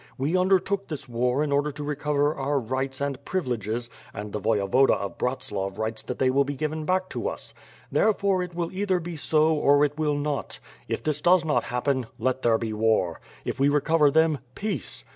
We undertook this war in order to recover our rights and privileges and the Voyevoda of Bratslav writes that they will be given back to us. Therefore, it will either be so or it will not. If this does not happen, let there be war. If we recover them, peace.